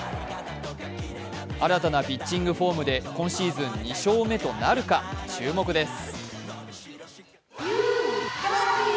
新たなピッチングフォームで今シーズン２勝目となるか、注目です。